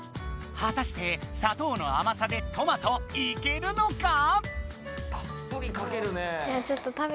はたして砂糖のあまさでトマトいけるのか⁉たっぷりかけるね。